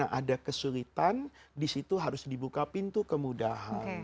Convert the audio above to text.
karena ada kesulitan di situ harus dibuka pintu kemudahan